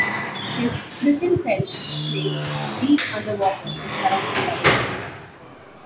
His prison cell is placed deep underwater and surrounded by mines.